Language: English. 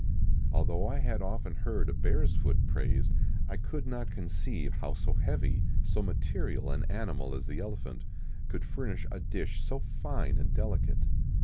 Although I had often heard the bear's foot praised, I could, not conceive how so heavy, so material an animal as the elephant, could furnish a dish so fine and delicate.